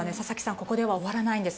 ここでは終わらないんです。